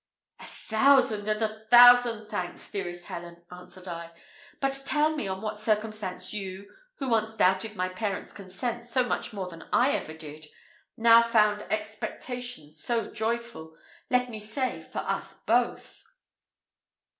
"A thousand and a thousand thanks, dearest Helen," answered I; "but tell me on what circumstance you, who once doubted my parents' consent so much more than I ever did, now found expectations so joyful let me say, for us both."